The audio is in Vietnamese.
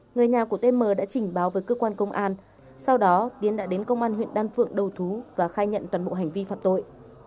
người nhà của tm đã trình báo với cơ quan công an sau đó tiến đã đến công an huyện đan phượng đầu thú và khai nhận toàn bộ hành vi phạm tội